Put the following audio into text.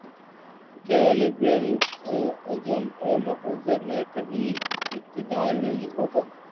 کیا liberalism اور مذہب میں کہیں اعتدال نہیں ہوتا؟